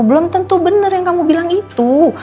belum tentu benar yang kamu bilang itu